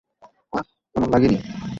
আহহ, তেমন লাগেনি।